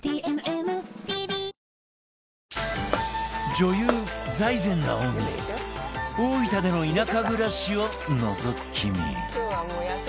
女優財前直見大分での田舎暮らしをのぞき見